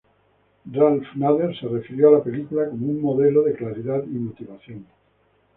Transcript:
Ralph Nader se refirió al film como "un modelo de claridad y motivación".